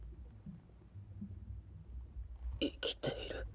生きている。